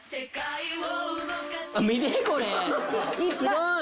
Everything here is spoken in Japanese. すごい。